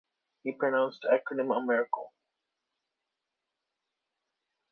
He pronounced the acronym, a miracle.